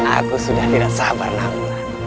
aku sudah tidak sabar awal